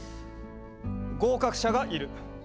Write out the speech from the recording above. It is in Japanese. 合格者がいる。